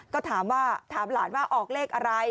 ก็ถามหลานว่าออกเลขอะไร